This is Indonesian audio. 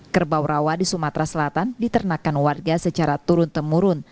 kerbau rawa di sumatera selatan diternakan warga secara turun temurun